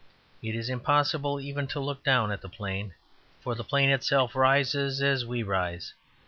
It is impossible even to look down at the plain. For the plain itself rises as we rise.